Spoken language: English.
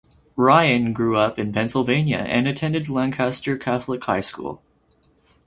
Ryan grew up in Pennsylvania and attended Lancaster Catholic High School.